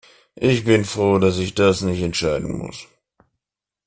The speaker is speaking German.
Ich bin froh, dass ich das nicht entscheiden muss.